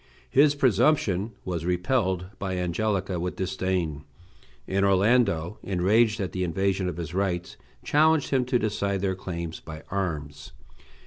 His presumption was repelled by Angelica with disdain, and Orlando, enraged at the invasion of his rights, challenged him to decide their claims by arms.